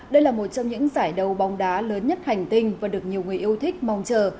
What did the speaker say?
đây là một trong những giải đấu bóng đá lớn nhất hành tinh và được nhiều người yêu thích mong chờ